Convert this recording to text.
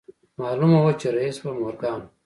معلومه وه چې رييس به مورګان و.